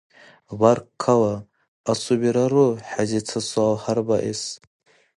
– Баркалла. Асубирару хӀези ца суал хьарбаэс?